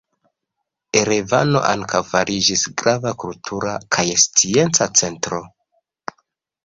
Erevano ankaŭ fariĝis grava kultura kaj scienca centro.